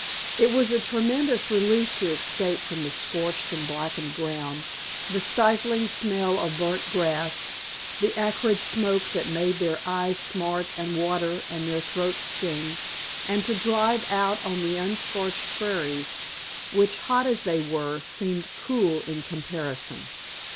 It was a tremendous relief to escape from the scorched and blackened ground, the stifling smell of burned grass, the acrid smoke that made their eyes smart and water and their throats sting, and to drive out on the unscorched prairies, which, hot as they were, seemed cool in comparison.